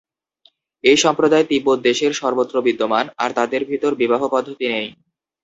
এই সম্প্রদায় তিব্বত দেশের সর্বত্র বিদ্যমান, আর তাদের ভিতর বিবাহ-পদ্ধতি নেই।